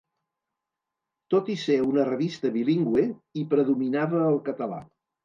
Tot i ser una revista bilingüe, hi predominava el català.